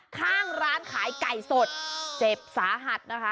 ข้างร้านขายไก่สดเจ็บสาหัสนะคะ